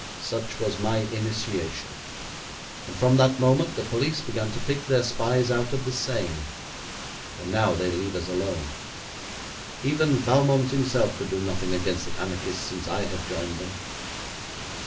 'Such was my initiation, and from that moment the police began to pick their spies out of the Seine, and now they leave us alone. Even Valmont himself could do nothing against the anarchists since I have joined them.'